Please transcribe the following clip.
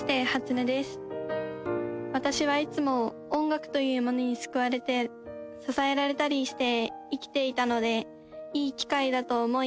私はいつも音楽というものにすくわれて支えられたりして生きていたのでいいきかいだと思い